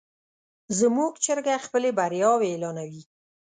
زموږ چرګه خپلې بریاوې اعلانوي.